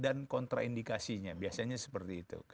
dan kontraindikasinya biasanya seperti itu